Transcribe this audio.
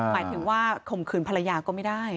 หมายถึงว่าข่มขืนภรรยาก็ไม่ได้